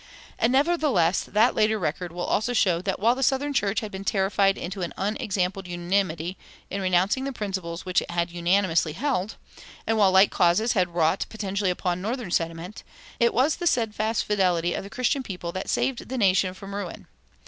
And, nevertheless, that later record will also show that while the southern church had been terrified into "an unexampled unanimity" in renouncing the principles which it had unanimously held, and while like causes had wrought potently upon northern sentiment, it was the steadfast fidelity of the Christian people that saved the nation from ruin.